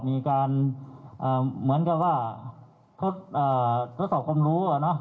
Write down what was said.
มีการเหมือนกับว่าทดสอบความรู้